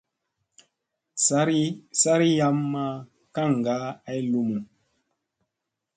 Sari yam ma kaŋga ay lumu.